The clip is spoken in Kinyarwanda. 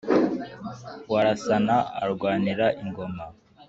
warasana arwanira ingoma.